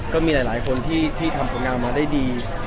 ก็มีหลายคนที่ทำผลงานมาได้ดี